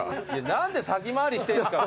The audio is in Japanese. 何で先回りしてんすか？